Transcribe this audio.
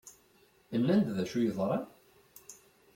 Nnan-d d acu yeḍran?